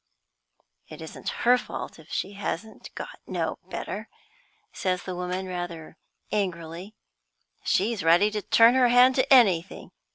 "It isn't her fault if she hasn't got no better," says the woman, rather angrily. "She's ready to turn her hand to anything.